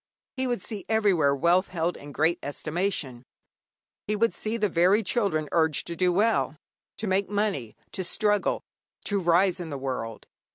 He would see everywhere wealth held in great estimation; he would see the very children urged to do well, to make money, to struggle, to rise in the world.